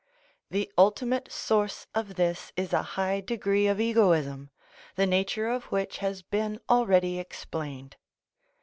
The ultimate source of this is a high degree of egoism, the nature of which has been already explained.